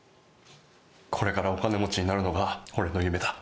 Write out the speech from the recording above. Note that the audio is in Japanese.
これからお金持ちになるのが俺の夢だ。